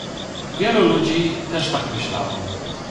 Wielu ludzi też tak myślało